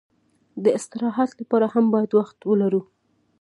د استراحت لپاره هم باید وخت ولرو.